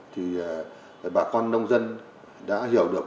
thì bà con nông dân đã hiểu được